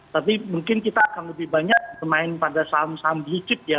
tapi mungkin kita akan lebih banyak bermain pada saham saham blue chip ya